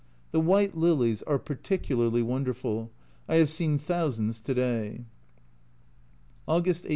The white lilies are particularly wonderful I have seen thousands to day. August 18.